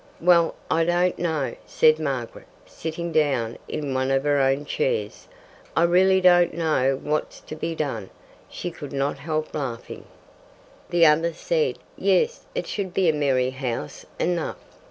"Well, I don't know," said Margaret, sitting down in one of her own chairs. "I really don't know what's to be done." She could not help laughing. The other said: "Yes, it should be a merry house enough."